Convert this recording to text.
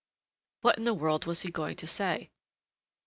What in the world was he going to say?